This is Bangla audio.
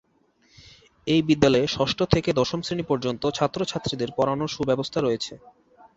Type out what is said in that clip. এই বিদ্যালয়ে ষষ্ঠ থেকে দশম শ্রেণী পর্যন্ত ছাত্র-ছাত্রিদের পড়াশোনার সুব্যবস্থা রয়েছে।